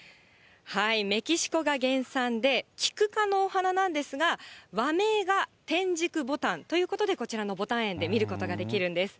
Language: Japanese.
メキシコが原産で、キク科のお花なんですが、和名がてんじくぼたんということで、こちらのぼたん苑で見ることができるんです。